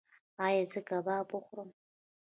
ایا زه کباب وخورم؟